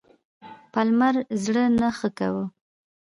پالمر زړه نه ښه کاوه.